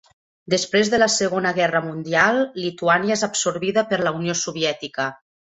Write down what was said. Després de la Segona Guerra Mundial, Lituània és absorbida per la Unió Soviètica.